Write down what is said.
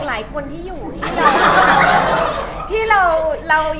มันแบ่งเริ่มที่ไม่มาละลาเราเลย